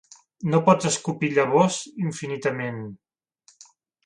No pots escopir llavors infinitament.